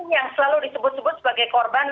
yang selalu disebut sebut sebagai korban